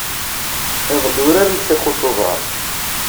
Iḍelli, urarent takurt n uḍar.